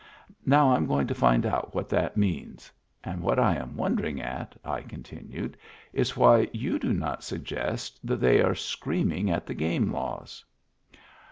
Now Fm going to find out what that means. And what I am wondering at," I continued, " is why you do not suggest that they are screaming at the game laws."